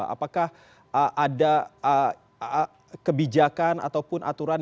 apakah ada kebijakan ataupun aturan